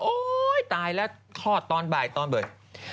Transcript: โอ๊ยตายแล้วทอดตอนบ่ายตอนเบิด